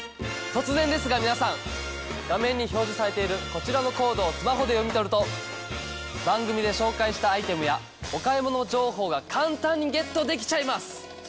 突然ですが皆さん画面に表示されているこちらのコードをスマホで読み取ると番組で紹介したアイテムやお買い物情報が簡単にゲットできちゃいます！